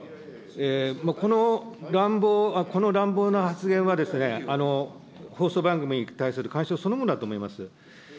この乱暴な発言は放送番組に関する干渉、そのものだと思います。